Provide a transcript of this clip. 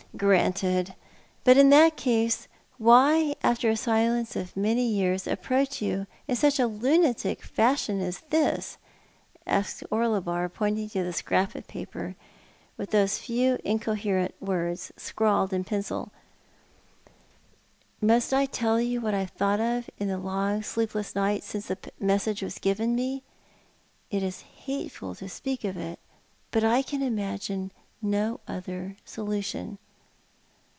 " Granted. But in that case, why after a silence of many years approach you in such a lunatic fashion as this?" asked Orlebar, pointing to the scrap of paper with those few incoherent words scrawled in pencil. " Must I tell you what I have thought of in the long sleepless nights since that message was given me? It is hateful to speak of it, but I can imagine no other solution.